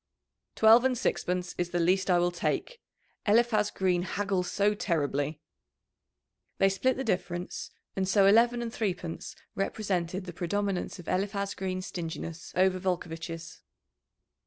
"Twelve and sixpence is the least I will take. Eliphaz Green haggles so terribly." They split the difference, and so eleven and threepence represented the predominance of Eliphaz Green's stinginess over Volcovitch's.